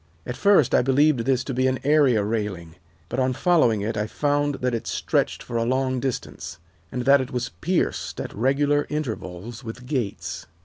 At first I believed this to be an area railing, but on following it I found that it stretched for a long distance, and that it was pierced at regular intervals with gates.